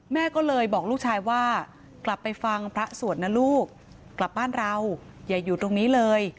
แม่ก็เลยบอกลูกชายว่ากลับไปฟังพระสวดนะลูกกลับบ้านเราอย่าอยู่ตรงนี้เลย